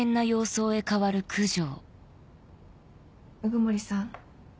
鵜久森さん。